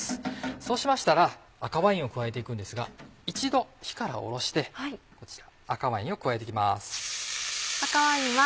そうしましたら赤ワインを加えて行くんですが一度火からおろしてこちら赤ワインを加えて行きます。